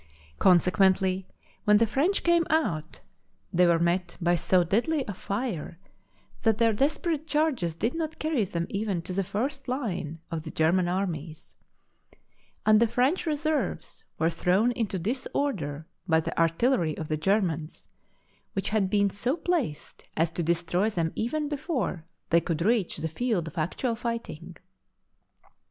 Consequently when the French came out, they were met by so deadly a fire that their desperate charges did not carry them even to the first line of the German armies ; and the French reserves were thrown into disorder by the artillery of the Germans, which had been so placed as to destroy them even before they could reach the field of actual fighting.